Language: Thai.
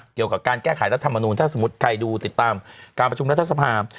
เกี่ยวกับการแก้ไขรัฐมนูลถ้าสมมุติใครดูติดตามการประชุมรัฐสภา